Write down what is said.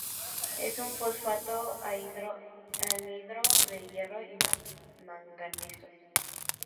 Es un fosfato anhidro de hierro y manganeso.